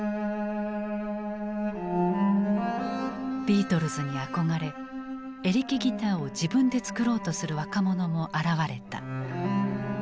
ビートルズに憧れエレキギターを自分で作ろうとする若者も現れた。